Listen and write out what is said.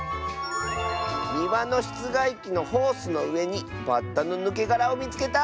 「にわのしつがいきのホースのうえにバッタのぬけがらをみつけた！」。